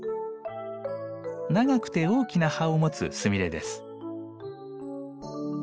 長くて大きな葉を持つスミレです。